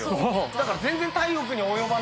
だから全然太陽君には及ばない。